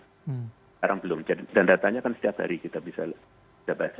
sekarang belum jadi dan datanya kan setiap hari kita bisa baca